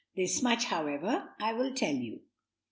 This much, however, I will tell you.